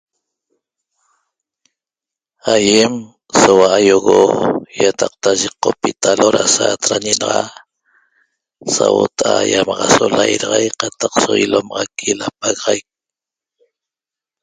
Aiem soua iogo iataqta yeqopitalo ra saatrañi naxa sauota'a iamaxaso lairaxaic qataq so ilomaxaqui lapagaxaic